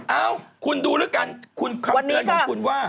เอ้าคุณดูแล้วกันคุณคำเตือนของคุณว่า